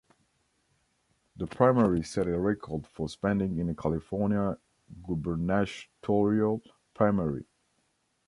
The primary set a record for spending in a California gubernatorial primary.